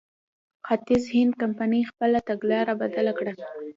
ختیځ هند کمپنۍ خپله تګلاره بدله کړه.